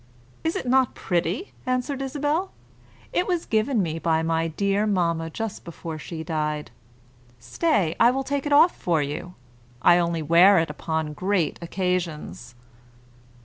"Is it not pretty?" answered Isabel. "It was given me by my dear mamma just before she died. Stay, I will take it off for you. I only wear it upon great occasions."